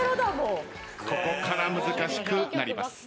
ここから難しくなります。